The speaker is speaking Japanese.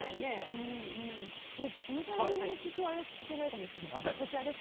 このタイミングで聞くあれじゃないかもですけど。